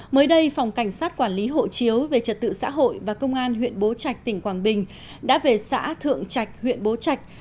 mới đây phòng cảnh sát quản lý hộ chiếu về trật tự xã hội và công an huyện bố trạch tỉnh quảng bình đã về xã thượng trạch huyện bố trạch